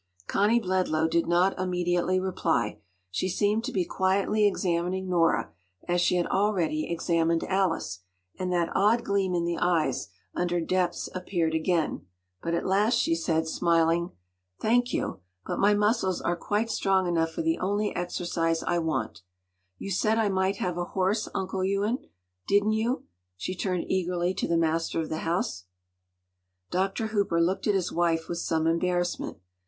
Connie Bledlow did not immediately reply. She seemed to be quietly examining Nora, as she had already examined Alice, and that odd gleam in the eyes under depths appeared again. But at last she said, smiling— “Thank you. But my muscles are quite strong enough for the only exercise I want. You said I might have a horse, Uncle Ewen, didn’t you?” She turned eagerly to the master of the house. Dr. Hooper looked at his wife with some embarrassment.